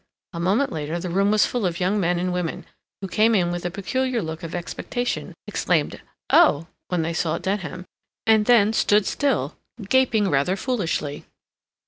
A moment later the room was full of young men and women, who came in with a peculiar look of expectation, exclaimed "Oh!" when they saw Denham, and then stood still, gaping rather foolishly.